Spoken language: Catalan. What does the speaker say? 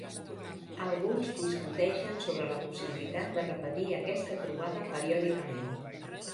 Alguns discuteixen sobre la possibilitat de repetir aquesta trobada periòdicament.